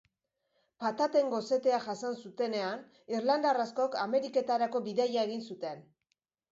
Pataten gosetea jasan zutenean Irlandar askok Ameriketarako bidaia egin zuten.